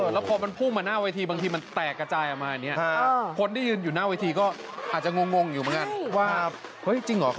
แล้วบางลูกน่ะมันแตกมาหน้าเวทีเห็นไหม